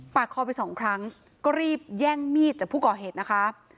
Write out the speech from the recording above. คอไปสองครั้งก็รีบแย่งมีดจากผู้ก่อเหตุนะคะ